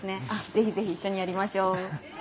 ぜひぜひ一緒にやりましょう。